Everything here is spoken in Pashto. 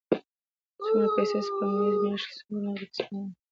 څومره پیسی سپموئ؟ میاشت کې یو څه نغدي سپموم